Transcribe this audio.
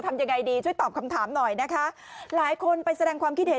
ทำยังไงดีช่วยตอบคำถามหน่อยนะคะหลายคนไปแสดงความคิดเห็น